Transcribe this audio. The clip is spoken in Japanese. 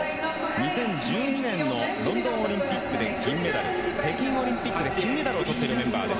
２０１２年のロンドンオリンピックで銀メダル北京オリンピックで金メダルを取っているメンバーです。